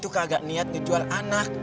tuh kagak niat ngejual anak